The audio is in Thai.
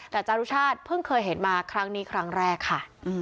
แต่จารุชาติเพิ่งเคยเห็นมาครั้งนี้ครั้งแรกค่ะ